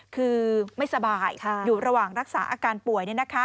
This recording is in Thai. คือไม่สบายอยู่ระหว่างรักษาอาการป่วย